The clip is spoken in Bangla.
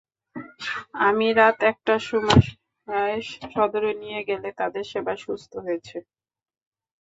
আমি রাত একটার সময় সদরে নিয়ে গেলে তাদের সেবায় সুস্থ হয়েছে।